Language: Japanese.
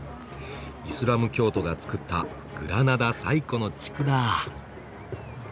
イスラム教徒が造ったグラナダ最古の地区だ。